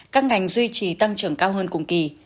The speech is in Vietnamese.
các ngành duy trì tăng trưởng cao hơn cùng kỳ